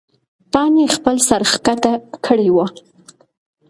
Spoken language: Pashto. پاڼې خپل سر ښکته کړی و.